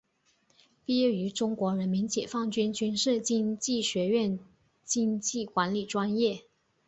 毕业于中国人民解放军军事经济学院经济管理专业。